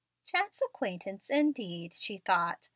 "Chance acquaintance, indeed!" she thought.